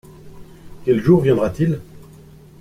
Quel jour viendra-t-il ?